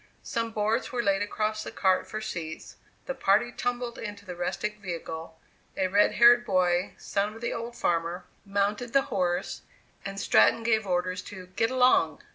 Some boards were laid across the cart for seats, the party tumbled into the rustic vehicle, a red haired boy, son of the old farmer, mounted the horse, and Stratton gave orders to "get along."